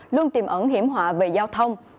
luôn tìm ẩn hiểm họa về giao thông